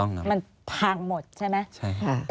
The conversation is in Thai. อันดับ๖๓๕จัดใช้วิจิตร